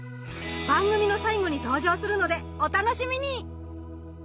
番組の最後に登場するのでお楽しみに！